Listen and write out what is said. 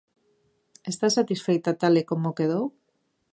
¿Está satisfeita tal e como quedou?